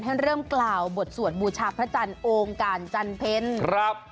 ให้เริ่มกล่าวบทสวดบูชาพระจันทร์โองการจันทร์เพลิน